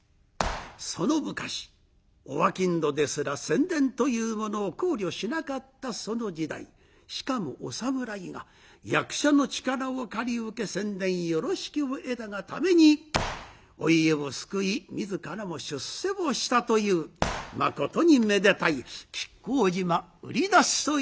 その昔お商人ですら宣伝というものを考慮しなかったその時代しかもお侍が役者の力を借り受け宣伝よろしきを得たがためにお家を救い自らも出世をしたというまことにめでたい「亀甲縞売出し」という一席